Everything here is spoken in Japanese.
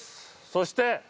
そして。